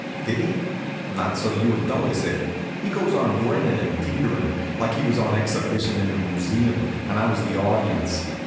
Did he? Not so you would notice it. He goes on grinnin' and teeterin', like he was on exhibition in a museum and I was the audience.